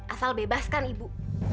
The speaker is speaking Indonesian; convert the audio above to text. asal bebaskan ibu